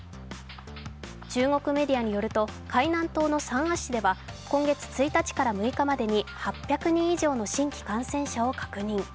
中国メディアによると海南島の三亜市では今月１日から６日までに８００人以上の新規感染者を確認。